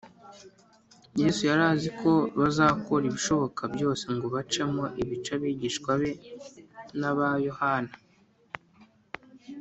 Yesu yari azi ko bazakora ibishoboka byose ngo bacemo ibice abigishwa be n’aba Yohana